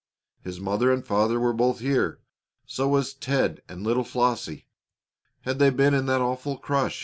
His mother and father were both here; so was Ted and little Flossie. Had they been in that awful crush?